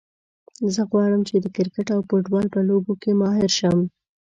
زه غواړم چې د کرکټ او فوټبال په لوبو کې ماهر شم